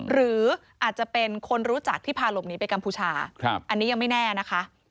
หรืออาจจะเป็นคนรู้จักที่พาหลบหนีไปกัมพูชาอันนี้ยังไม่แน่นะคะ